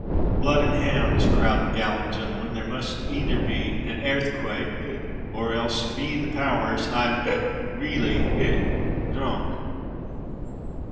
"Blood and hounds!" growled the gallant gentleman; "there must either be an airthquake—hic—or else, be the power rs! I'm—hic—raly—hic—dhrunk!"